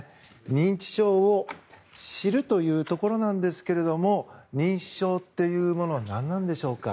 認知症を知るというところなんですが認知症っていうものは何なんでしょうか。